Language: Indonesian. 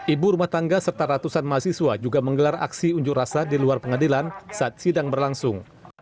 ibu rumah tangga serta ratusan mahasiswa juga menggelar aksi unjuk rasa di luar pengadilan saat sidang berlangsung